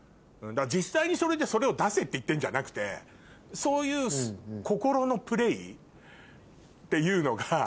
実際にそれでそれを出せって言ってんじゃなくてそういう心のプレーっていうのが。